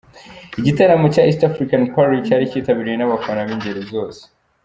Igitaramo cya East african party cyari kitabiriwe n'abafana b'ingeri zose.